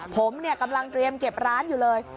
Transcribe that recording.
ผมกำลังเตรียมเก็บร้านอยู่เลย